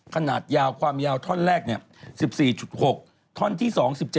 ขนาดยาวความยาวท่อนแรก๑๔๖ท่อนที่๒๗